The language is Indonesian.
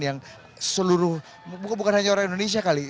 yang seluruh bukan hanya orang indonesia kali